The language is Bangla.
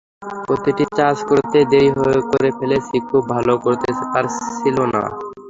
প্রতিটি চার্জ করতেই দেরি করে ফেলছিল, খুব ভালো করতে পারছিল না।